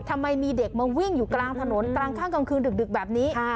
ทำไมมีเด็กมาวิ่งอยู่กลางถนนกลางข้างกลางคืนดึกแบบนี้